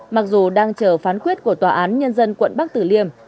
mặc dù đang chờ phán quyết của tòa án nhân dân quận bắc tử liêm